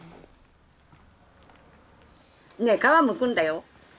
ねえ皮むくんだよ。